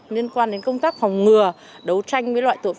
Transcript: liên quan đến công tác phòng ngừa đấu tranh với loại chiến binh